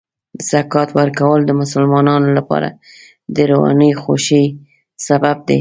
زکات ورکول د مسلمانانو لپاره د روحاني خوښۍ سبب دی.